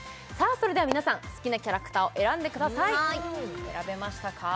それでは皆さん好きなキャラクターを選んでください選べましたか？